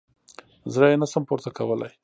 زه يې نه شم پورته کولاى.